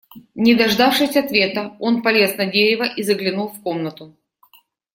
Не дождавшись ответа, он полез на дерево и заглянул в комнату.